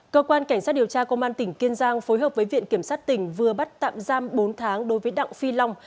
cơ quan cảnh sát điều tra công an tỉnh kiên giang phối hợp với viện kiểm sát tỉnh vừa bắt tạm giam bốn tháng đối với đặng phi long